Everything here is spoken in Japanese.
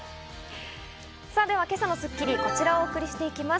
では今朝の『スッキリ』はこちらをお送りしていきます。